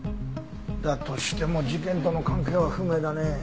だとしても事件との関係は不明だね。